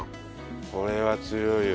これは強いよ。